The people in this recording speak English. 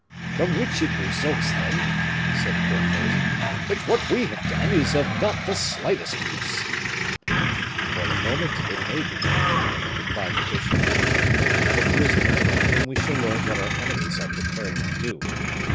"From which it results, then," said Porthos, "that what we have done is of not the slightest use." "For the moment it may be," replied the bishop, "for we have a prisoner from whom we shall learn what our enemies are preparing to do."